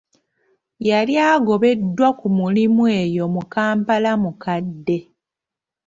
Yali agobeddwa ku mulimu eyo mu kampala mukadde.